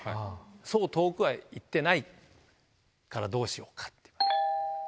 そう遠くは行ってないからどうしようかって。